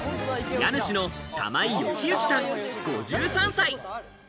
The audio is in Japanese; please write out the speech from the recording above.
家主の玉井禎晋さん、５３歳。